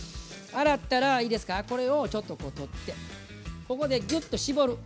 洗ったらいいですかこれをちょっとこう取ってここでぎゅっと絞る。